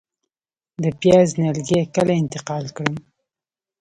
د پیاز نیالګي کله انتقال کړم؟